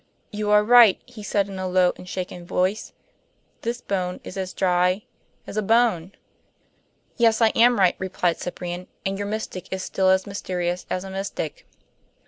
"You are right," he said, in a low and shaken voice: "this bone is as dry as a bone." "Yes, I am right," replied Cyprian. "And your mystic is still as mysterious as a mystic."